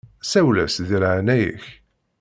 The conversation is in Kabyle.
Sawel-as di leɛnaya-k.